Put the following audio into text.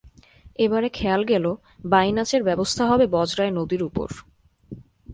এবারে খেয়াল গেল বাইনাচের ব্যবস্থা হবে বজরায় নদীর উপর।